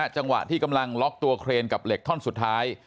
จังหวะที่กำลังล็อกตัวเครนกับเหล็กท่อนสุดท้าย